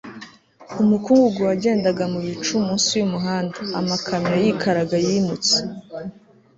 umukungugu wagendaga mu bicu munsi yumuhanda. amakamyo yikaraga yimutse